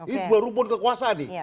ini dua rumpun kekuasaan nih